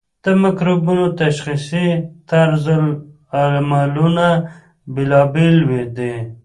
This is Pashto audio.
د مکروبونو تشخیصي طرزالعملونه بیلابیل دي.